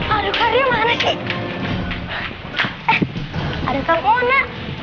aduh kak kario mana sih eh ada kampungnya